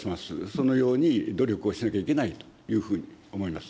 そのように努力をしなきゃいけないというふうに思います。